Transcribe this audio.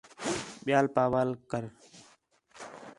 ٻِیال پا وال کر